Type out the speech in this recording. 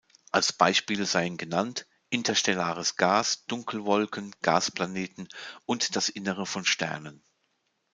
Als Beispiele seien genannt: interstellares Gas, Dunkelwolken, Gasplaneten und das Innere von Sternen.